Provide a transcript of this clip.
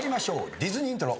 ディズニーイントロ。